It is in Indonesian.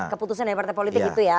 keputusan dari partai politik itu ya